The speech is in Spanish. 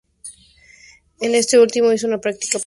En este último hizo una práctica profesional.